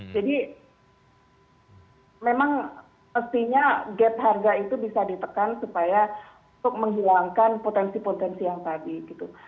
jadi memang pastinya gap harga itu bisa ditekan supaya untuk menghilangkan potensi potensi yang tadi gitu